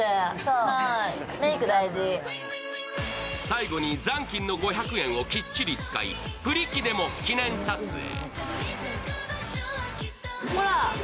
最後に残金の５００円をきっちり使いプリ機でも記念撮影。